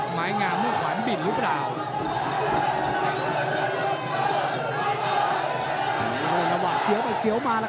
หมายงามด้วยขวารบิ่นรู้เปล่า